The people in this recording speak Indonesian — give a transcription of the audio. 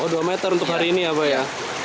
oh dua meter untuk hari ini ya pak ya